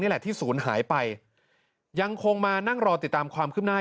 แหละที่ศูนย์หายไปยังคงมานั่งรอติดตามความคืบหน้า